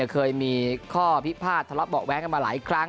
เคยมีข้อพิพาททะเลาะเบาะแว้งกันมาหลายครั้ง